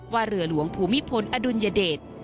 เรือหลวงภูมิพลอดุลยเดช